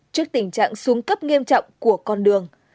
trước tình trạng xuống cấp nghiêm trọng của con đường